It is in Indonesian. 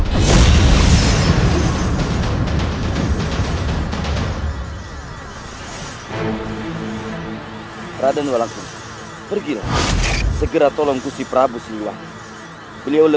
kau akan menghentikanku